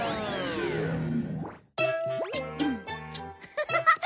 ハハハッ！